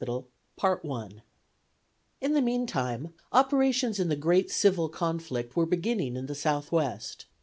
In the meantime operations in the great civil conflict were beginning in the Southwest.